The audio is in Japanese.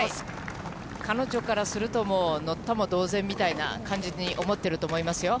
彼女からすると、もう乗ったも同然みたいな感じに思っていると思いますよ。